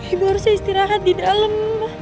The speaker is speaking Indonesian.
ibu harusnya istirahat di dalam